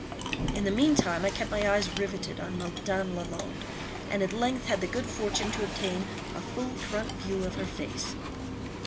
In the meantime I kept my eyes riveted on Madame Lalande, and at length had the good fortune to obtain a full front view of her face.